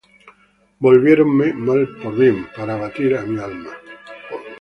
Volviéronme mal por bien, Para abatir á mi alma.